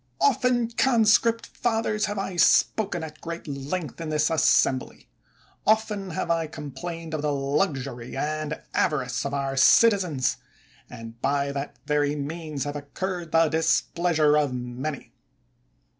Often, conscript fathers, have I spoken at great length in this assembly; often have I com plained of the luxury and avarice of our citizens, and, by that very means, have incurred the dis pleasure of many.